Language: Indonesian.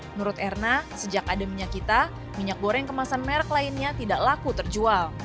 menurut erna sejak ada minyak kita minyak goreng kemasan merek lainnya tidak laku terjual